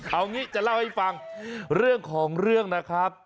เอางี้จะเล่าให้ฟังเรื่องของเรื่องนะครับ